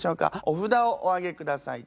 お札をお上げください。